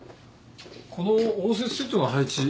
この応接セットの配置